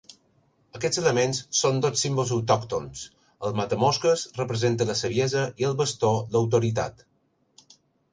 Aquests elements són dos símbols autòctons: el matamosques representa la saviesa i el bastó l'autoritat.